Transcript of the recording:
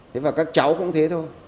thế và các cháu cũng thế thôi